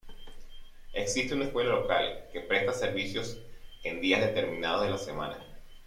Existe una escuela local que presta servicios en días determinados de la semana.